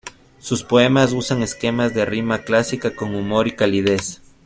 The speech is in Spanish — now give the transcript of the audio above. Sus poemas usan esquemas de rima clásica con humor y calidez.